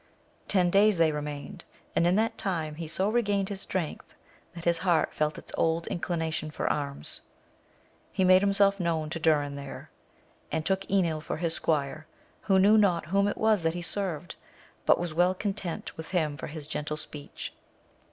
Ten days they remained, and in that time he so regained strength, that his heart felt its old inclination for arms. He made himself known to Dunn there, and took Enil for his squire, who knew not whom it was that he served, but was well content with him for his gentle speech.